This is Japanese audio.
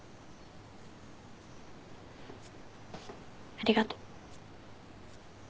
ありがとう。